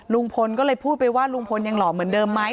ลุงพลก็เลยพูดไปว่าลุงพลยังหล่อเหมือนเดิมไหม